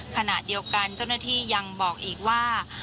ขณะเดียวกันเจ้าหน้าที่ยังบอกอีกว่า